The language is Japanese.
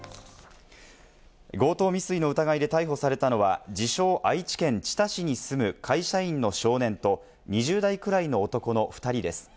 強盗未遂の疑いで逮捕されたのは、自称・愛知県知多市に住む会社員の少年と２０代くらいの男の２人です。